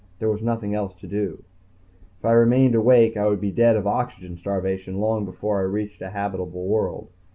There was nothing else to do. If I remained awake I would be dead of oxygen starvation long before I reached a habitable world.